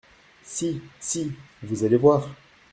Si, Si, vous allez voir !